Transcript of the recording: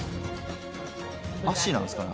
足なんですかね？